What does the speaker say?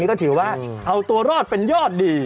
ก็ถือว่าเอาตัวรอดเป็นยอดดี